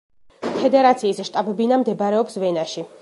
ფედრაციის შტაბ-ბინა მდებარეობს ვენაში.